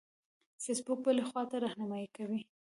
فیسبوک بلې خواته رهنمایي کوي.